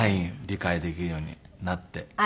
理解できるようになってきました。